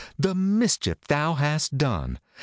the mischief thou hast done